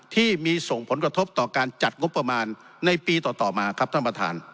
ที่มีส่งผลกระทบต่อการจัดงบประมาณในปีต่อมาครับท่านประธาน